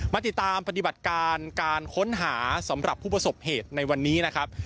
มาติดตามปฏิบัติการการค้นหาสำหรับผู้ประสบเหตุในวันนี้นะครับ